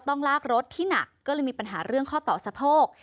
ต้องลากรถที่หนักก็เลยมีปัญหาเรื่องข้อต่อสะโพก